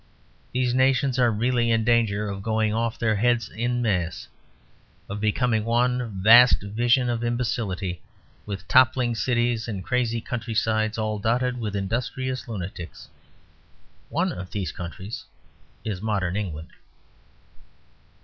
These nations are really in danger of going off their heads en masse; of becoming one vast vision of imbecility, with toppling cities and crazy country sides, all dotted with industrious lunatics. One of these countries is modern England.